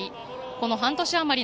この半年あまり